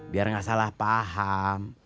biar nggak salah paham